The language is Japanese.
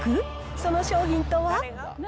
その商品とは？